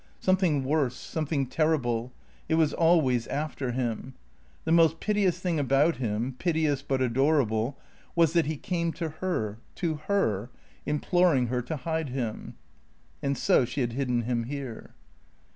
Something worse, something terrible. It was always after him. The most piteous thing about him piteous but adorable was that he came to her to her imploring her to hide him. And so she had hidden him here.